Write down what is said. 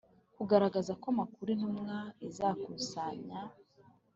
Kugaragaza ko amakuru intumwa izakusanya